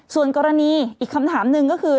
ส่วนกรณีอีกคำถามหนึ่งก็คือ